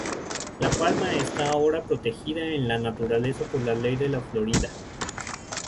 La palma está ahora protegida en la naturaleza por la ley de la Florida.